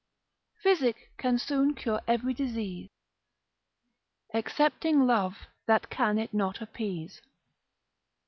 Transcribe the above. Physic can soon cure every disease, Excepting love that can it not appease.